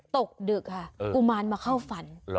ตกดึกค่ะกุมารมาเข้าฝัน